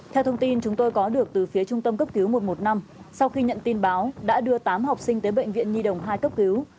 theo thông tin chúng tôi có được từ phía trung tâm cấp cứu một trăm một mươi năm sau khi nhận tin báo đã đưa tám học sinh tới bệnh viện nhi đồng hai cấp cứu